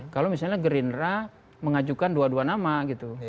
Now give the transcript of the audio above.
kalau misalnya gerindra mengajukan dua dua nama gitu